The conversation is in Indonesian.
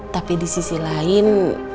tapi di sisi lain